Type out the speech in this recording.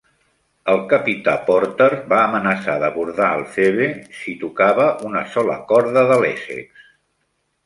El capità Porter va amenaçar d'abordar el "Phoebe" si tocava una sola corda de l'"Essex".